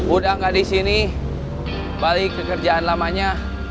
udah gak di sini balik ke kerjaan lamanya